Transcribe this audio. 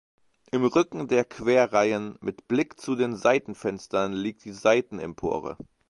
Im Rücken der Querreihen mit Blick zu den Seitenfenstern liegt die Seitenempore.